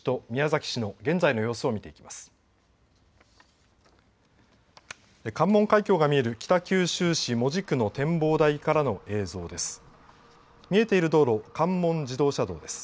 関門海峡が見える北九州市門司区の展望台からの映像です。